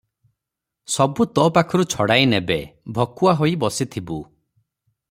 ସବୁ ତୋ ପାଖରୁ ଛଡ଼ାଇ ନେବେ, ଭକୁଆ ହୋଇ ବସିଥିବୁ ।